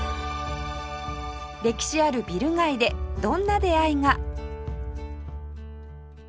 歴史あるビル街でどんな出会いが？